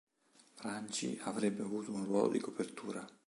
Franci avrebbe avuto un ruolo di copertura.